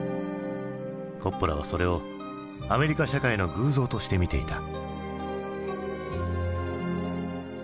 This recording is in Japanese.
コッポラはそれをアメリカ社会の偶像として見ていた。